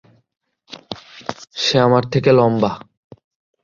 সে আমার থেকে লম্বা।